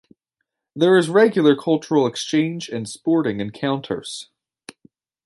There is regular cultural exchange and sporting encounters.